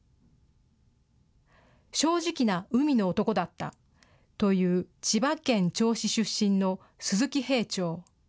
正直な海の男だったという千葉県銚子出身の鈴木兵長。